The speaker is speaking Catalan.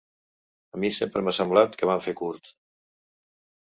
A mi sempre m’ha semblat que vam fer curt.